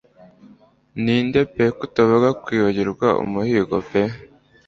Ninde pe kutavuga kwibagirwa umuhigo pe